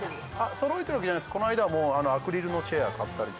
そろえてるわけじゃないですけど、この間はアクリルのチェアを。